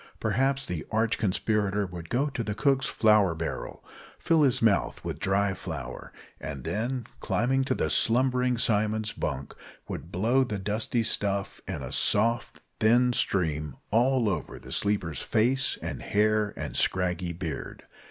Perhaps the arch conspirator would go to the cook's flour barrel, fill his mouth with dry flour, and then, climbing to the slumbering Simon's bunk, would blow the dusty stuff in a soft, thin stream all over the sleeper's face and hair and scraggy beard.